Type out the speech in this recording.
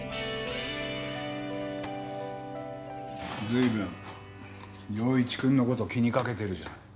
随分庸一くんの事を気にかけてるじゃん。